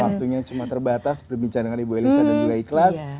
waktunya cuma terbatas berbincang dengan ibu elisa dan juga ikhlas